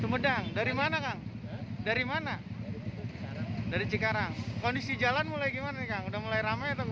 sumedang dari mana kang dari mana dari cikarang kondisi jalan mulai gimana kang udah mulai ramai atau